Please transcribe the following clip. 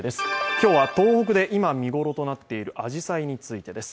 今日は東北で今見頃となっているあじさいについてです。